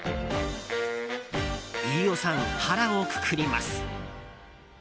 飯尾さん、腹をくくります。